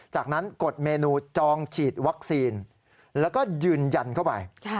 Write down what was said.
จากนั้นกดเมนูจองฉีดวัคซีนแล้วก็ยืนยันเข้าไป